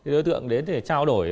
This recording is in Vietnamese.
đối tượng đến để trao đổi